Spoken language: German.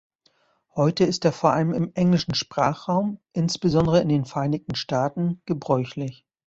Heute ist er vor allem im englischen Sprachraum, insbesondere in den Vereinigten Staaten gebräuchlich.